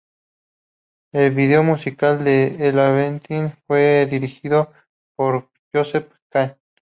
El video musical de "Elevation" fue dirigido por Joseph Kahn.